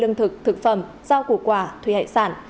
lương thực thực phẩm rau củ quả thủy hải sản